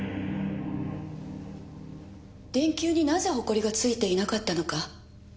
電球になぜほこりがついていなかったのか。